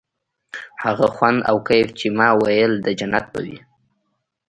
هغه خوند او کيف چې ما ويل د جنت به وي.